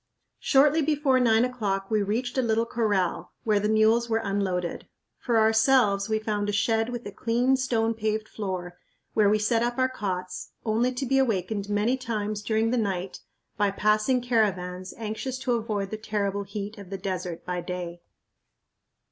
Shortly before nine o'clock we reached a little corral, where the mules were unloaded. For ourselves we found a shed with a clean, stone paved floor, where we set up our cots, only to be awakened many times during the night by passing caravans anxious to avoid the terrible heat of the desert by day.